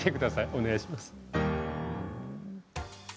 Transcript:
お願いします。